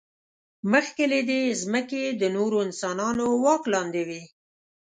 مخکې له دې، ځمکې د نورو انسانانو واک لاندې وې.